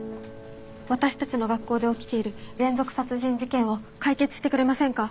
私たちの学校で起きている連続殺人事件を解決してくれませんか？